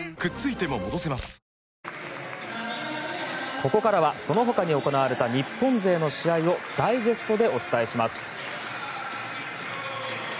ここからはその他に行われた日本勢の試合をダイジェストでお伝えします。